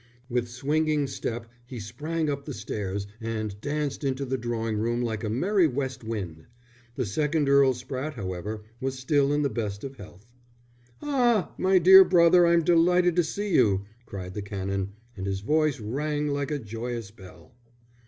With swinging step he sprang up the stairs and danced into the drawing room like a merry West Wind. The second Earl Spratte, however, was still in the best of health. "Ah, my dear brother, I'm delighted to see you," cried the Canon, and his voice rang like a joyous bell.